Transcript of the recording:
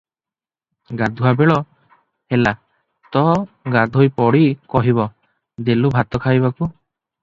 ଗାଧୁଆବେଳ ହେଲା ତ ଗାଧୋଇ ପଡ଼ି କହିବ, ଦେଲୁ ଭାତ ଖାଇବାକୁ ।